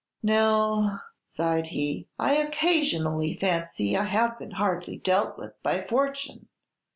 "No," sighed he; "I occasionally fancy I have been hardly dealt with by fortune.